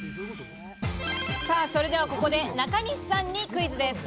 それでは、ここで中西さんにクイズです。